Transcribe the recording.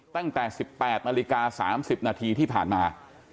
ตั้งแต่๑๘นาฬิกา๓๐นาทีที่ผ่านมา